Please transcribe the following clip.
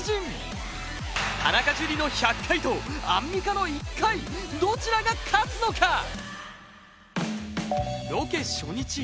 田中樹の１００回とアンミカの１回どちらが勝つのか？